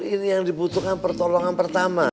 ini yang dibutuhkan pertolongan pertama